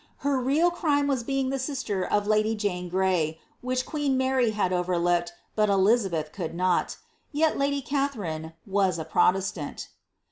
llcr real crime was being L'je !^i»ter of lady Jane Gray, which queen Mary had overlooked, but nL£al>eth could not ; yet lady Katiiarine was a Protestant.